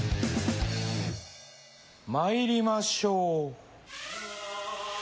まいりましょう。